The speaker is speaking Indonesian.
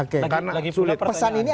karena sulit pesan ini